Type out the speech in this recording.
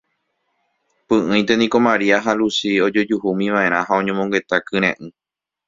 Py'ỹinte niko Maria ha Luchi ojojuhúmiva'erã ha oñomongeta kyre'ỹ.